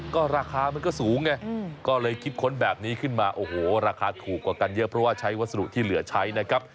ก็ราคามันก็สูงไงก็เลยคิดค้นแบบนี้ขึ้นมาโอ้โหราคาถูกกว่ากันเยอะเพราะว่าใช้วัสดุที่เหลือใช้นะครับ